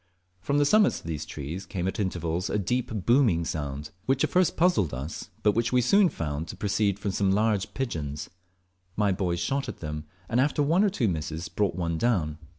From the summits of these trees came at intervals a deep booming sound, which at first puzzled us, but which we soon found to proceed from some large pigeons. My boys shot at them, and after one or two misses, brought one down.